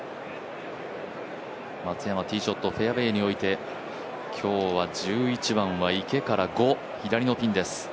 松山、ティーショットをフェアウエーに置いて今日は１１番は池から５、左のピンです。